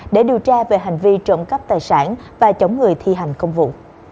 để điều tra về hành vi trộm cắp tài sản và chống người thi hành công vụ